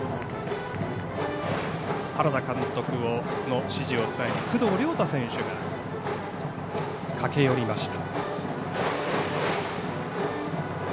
原田監督の指示を伝えに工藤遼大選手が駆け寄りました。